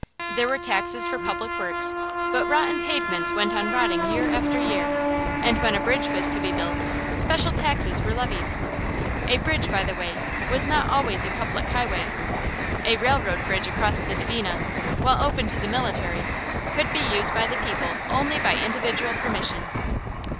There were taxes for public works, but rotten pavements went on rotting year after year; and when a bridge was to be built, special taxes were levied. A bridge, by the way, was not always a public highway. A railroad bridge across the Dvina, while open to the military, could be used by the people only by individual permission.